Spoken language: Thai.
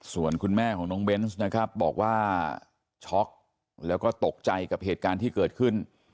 ส่วนคุณแม่ของน้องเบนส์นะครับบอกว่าช็อกแล้วก็ตกใจกับเหตุการณ์ที่เกิดขึ้น